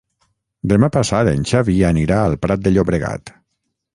Demà passat en Xavi anirà al Prat de Llobregat.